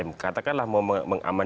mk itu adalah organ konstitusi gitu kan